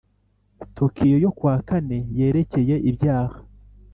Tokyo yo ku wa kane yerekeye ibyaha